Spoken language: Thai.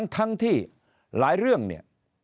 ทั้งที่หลายเรื่องเนี่ย